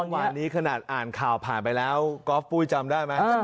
วันนี้ขนาดอ่านข่าวผ่านไปแล้วครับก็ปุ้ยจำได้ไหม